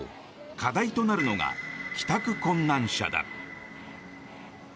課題となるのが帰宅困難者だ。